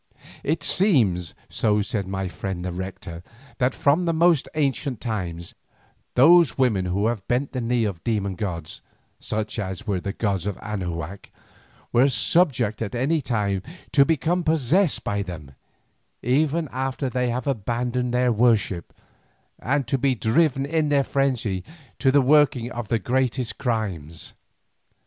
It seems, so said my friend the Rector, that from the most ancient times, those women who have bent the knee to demon gods, such as were the gods of Anahuac, are subject at any time to become possessed by them, even after they have abandoned their worship, and to be driven in their frenzy to the working of the greatest crimes.